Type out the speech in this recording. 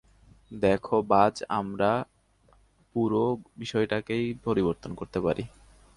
দেখো বায, আমরা পুরো বিষয়টাকেই পরিবর্তন করতে পারি।